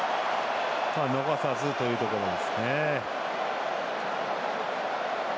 逃さずというところですね。